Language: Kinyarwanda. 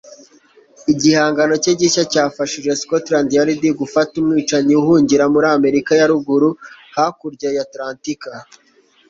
igihangano cye gishya cyafashije Scotland Yard gufata umwicanyi uhungira muri Amerika ya ruguru hakurya ya Atalantika